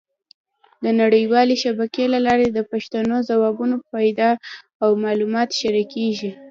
د نړیوالې شبکې له لارې د پوښتنو ځوابونه پیدا او معلومات شریکېږي.